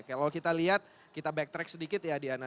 kalau kita lihat kita backtrack sedikit ya diana